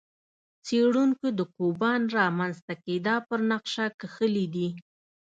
څېړونکو د کوپان رامنځته کېدا پر نقشه کښلي دي.